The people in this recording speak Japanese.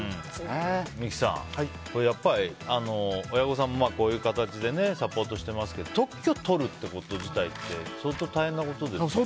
三木さん、これやっぱり親御さんもこういう形でサポートしていますけど特許を取るってこと自体って相当大変なことですよね。